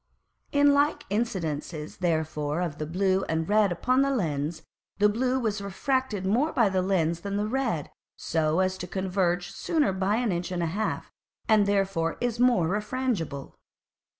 In like Incidences therefore of the blue and red upon the Lens, the blue was refracted more by the Lens than the red, so as to converge sooner by an Inch and a half, and therefore is more refrangible.